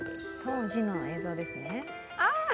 当時の映像ですね。